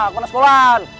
aku anak sekolah